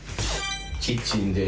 キッチンで。